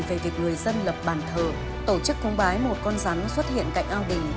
về việc người dân lập bản thờ tổ chức cúng bái một con rắn xuất hiện cạnh ao đình